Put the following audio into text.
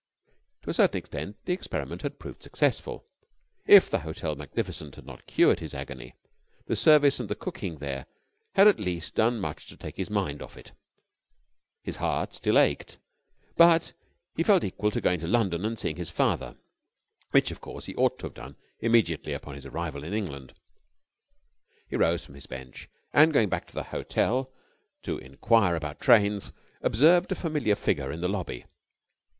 To a certain extent the experiment had proved successful. If the Hotel Magnificent had not cured his agony, the service and the cooking there had at least done much to take his mind off it. His heart still ached, but he felt equal to going to London and seeing his father, which, of course, he ought to have done immediately upon his arrival in England. He rose from his bench, and, going back to the hotel to enquire about trains, observed a familiar figure in the lobby.